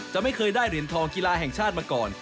ไม่เคยได้เหรียญทองกีฬาแห่งชาติมาก่อน